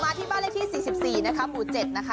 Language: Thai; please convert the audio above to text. มาที่บ้านเลขที่๔๔หมู่๗นะคะ